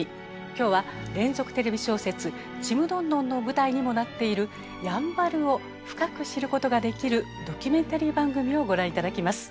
今日は連続テレビ小説「ちむどんどん」の舞台にもなっているやんばるを深く知ることができるドキュメンタリー番組をご覧頂きます。